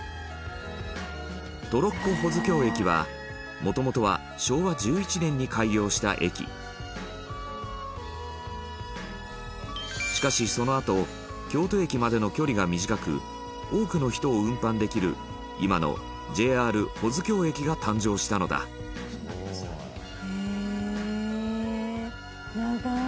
トロッコ保津峡駅はもともとは昭和１１年に開業した駅しかし、そのあと京都駅までの距離が短く多くの人を運搬できる今のＪＲ保津峡駅が誕生したのだ羽田：へえー！